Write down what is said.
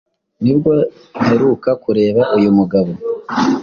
nibwo mperuka kureba uyu mugabo "